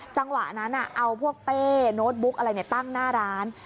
จังหวะนั้นเอาพวกเป้โน้ตบุ๊กอะไรตั้งหน้าร้าน